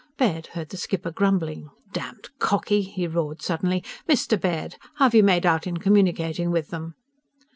Baird heard the skipper grumbling: "Damned cocky!" He roared suddenly: "_Mr. Baird! How've you made out in communicating with them?